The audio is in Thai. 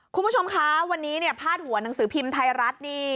คุณผู้ชมคะวันนี้เนี่ยพาดหัวหนังสือพิมพ์ไทยรัฐนี่